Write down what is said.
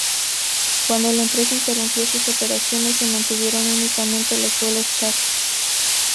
Cuando la empresa interrumpió sus operaciones, se mantuvieron únicamente los vuelos chárter.